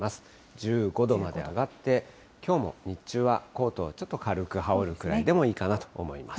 １５度まで上がって、きょうも日中は、コートをちょっと軽く羽織るくらいでもいいかなと思います。